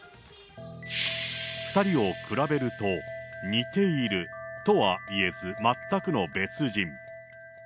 ２人を比べると、似ているとはいえず、全くの別人。